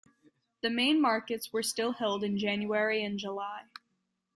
The main markets were still held in January and July.